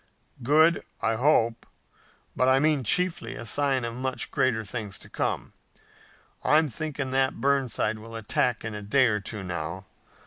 "Good, I hope, but I meant chiefly a sign of much greater things to come. I'm thinking that Burnside will attack in a day or two now.